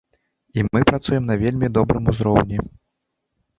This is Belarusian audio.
І мы працуем на вельмі добрым узроўні.